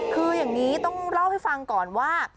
คืออย่างนี้ต้องเล่าให้ฟังก่อนว่า